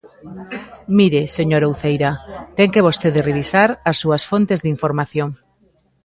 Mire, señora Uceira, ten que vostede revisar as súas fontes de información.